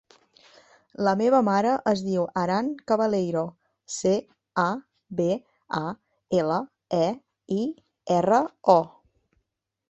La meva mare es diu Aran Cabaleiro: ce, a, be, a, ela, e, i, erra, o.